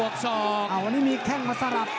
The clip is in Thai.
ตามต่อยกที่๓ครับ